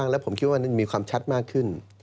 แล้วผมคิดว่ามีความชัดมากขึ้น